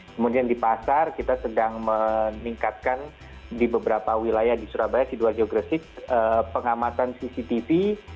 kemudian di pasar kita sedang meningkatkan di beberapa wilayah di surabaya sidoarjo gresik pengamatan cctv